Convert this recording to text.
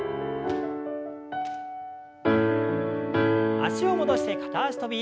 脚を戻して片脚跳び。